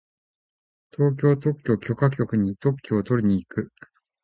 東京特許許可局に特許をとりに行く。